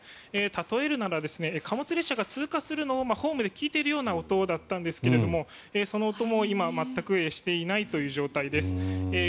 例えるなら貨物列車が通過するのをホームで聞いているような音だったんですがその音も今全くしていないという状態です。